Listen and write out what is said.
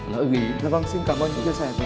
lỡ ghi vâng xin cảm ơn các bạn đã chia sẻ với